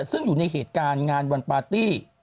ซึ่งอยู่ในเหตุการณ์งานวันปาร์ตี้